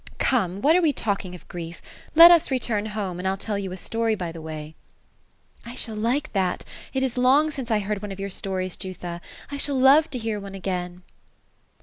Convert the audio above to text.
Gome, what are we talking of grief? Let us return home ; and V\l tell you a story by tbe way *'^ I shall like that ; it is long since I heard one of your stories, Jutha. I shall love to hear one again."